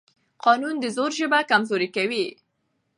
قانون د زور ژبه کمزورې کوي